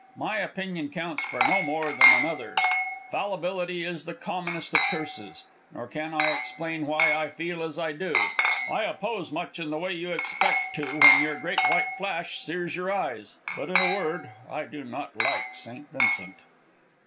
My opinion counts for no more than another's. Fallibility is the commonest of curses. Nor can I explain why I feel as I do I oppose much in the way you expect to when your great white flash sears your eyes. But, in a word, I do not like St. Vincent."